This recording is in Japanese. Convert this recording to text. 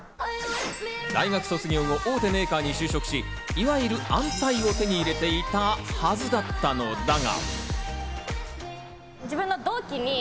大学卒業後、大手メーカーに就職し、いわゆる安泰を手に入れていたはずだったのだが。